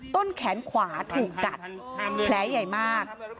ต้นแขนขวาถูกกัดแผลใหญ่มาก